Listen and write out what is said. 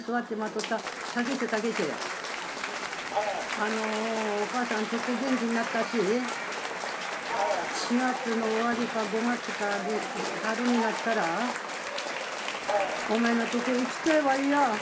あのお母さんちょっと元気になったし４月の終わりか５月か春になったらお前のとこ行きたいわいや。